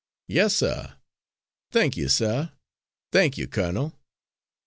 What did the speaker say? "Yes, suh; thank you, suh, thank you, colonel."